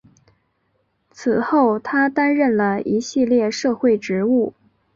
此后他担任了一系列社会职务。